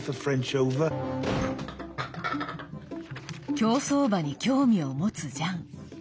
競走馬に興味を持つジャン。